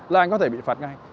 là anh có thể bị phạt ngay